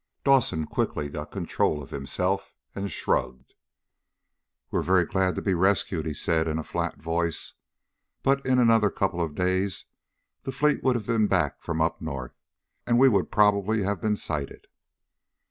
Dawson quickly got control of himself, and shrugged. "We're very glad to be rescued," he said in a flat voice. "But in another couple of days the fleet would have been back from up north, and we'd probably have been sighted."